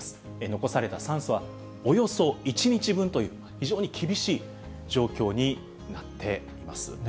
残された酸素はおよそ１日分という、非常に厳しい状況になっています。